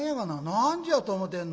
何時やと思てんの」。